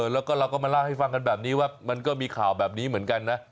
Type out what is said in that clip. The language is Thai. แล้วก็เราก็มาเล่าให้ฟังกันแบบนี้ว่ามันก็มีข่าวแบบนี้เหมือนกันนะ